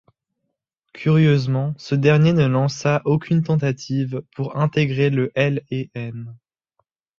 Curieusement ce dernier ne lança aucune tentative pour intégrer le L&N.